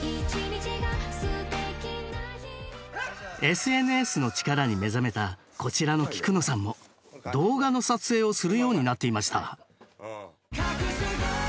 ＳＮＳの力に目覚めたこちらの菊野さんも動画の撮影をするようになっていました。